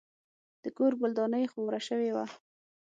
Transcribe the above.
د کور ګلداني خاوره شوې وه.